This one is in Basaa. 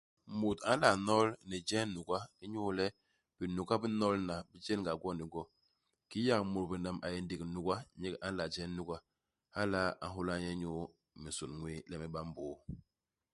Mut a nla nol ni je nuga inyu le binuga bi n'nolna, bi jen-ga gwo ni gwo. Kiki yak mut binam a yé ndék nuga, nyek a nla je nuga, hala a nhôla nye inyu minsôn ñwéé le mi ba mbôô.